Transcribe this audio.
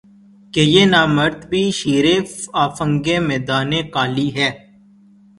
کہ یہ نامرد بھی شیر افگنِ میدانِ قالی ہے